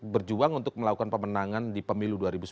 berjuang untuk melakukan pemenangan di pemilu dua ribu sembilan belas